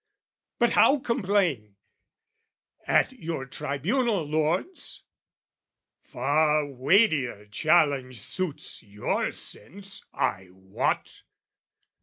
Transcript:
But how complain? At your tribunal, lords? Far weightier challenge suits your sense, I wot!